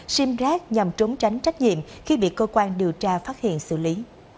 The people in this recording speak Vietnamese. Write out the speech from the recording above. sim rác nhằm trốn tránh trách nhiệm khi bị cơ quan điều tra phát hiện xử lý